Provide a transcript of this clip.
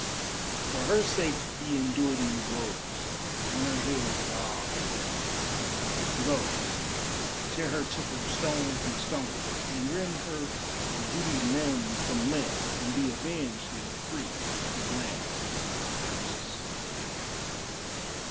For her sake ye endure these woes, on her head is all this death. Go, tear her temple stone from stone, and rend her beauty limb from limb and be avenged and free the land from curses."